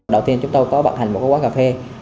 đầu tiên chúng tôi có bản hành một quốc hóa cà phê